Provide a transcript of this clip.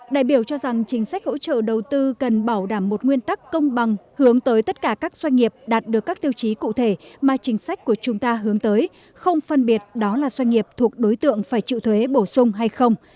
đại biểu cho rằng chính sách hỗ trợ đầu tư cần bảo đảm một nguyên tắc công bằng hướng tới tất cả các doanh nghiệp đạt được các tiêu chí cụ thể mà chính sách của chúng ta hướng tới không phân biệt đó là doanh nghiệp thuộc đối tượng phải chịu thuế bổ sung hay không